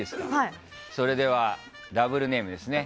それではダブルネームですね。